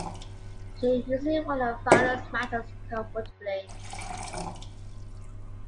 She usually won her finals matches comfortably.